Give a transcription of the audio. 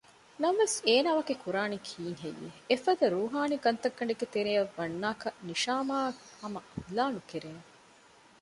ނަމަވެސް އޭނާ ވަކި ކުރާނީ ކީއްހެއްޔެވެ؟ އެފަދަ ރޫހާނީ ކަންތައްގަނޑެއްގެ ތެރެއަށް ވަންނާކަށް ނިޝާމާއަށް ހަމަ ހިލާ ނުކެރޭނެ